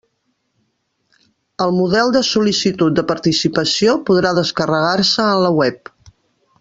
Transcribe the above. El model de sol·licitud de participació podrà descarregar-se en la web.